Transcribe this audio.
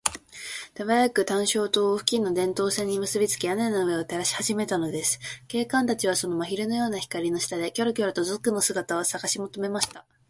手早く探照燈を付近の電燈線にむすびつけ、屋根の上を照らしはじめたのです。警官たちは、その真昼のような光の中で、キョロキョロと賊の姿をさがしもとめました。